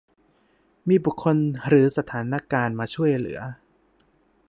มีบุคคลหรือสถานการณ์มาช่วยเหลือ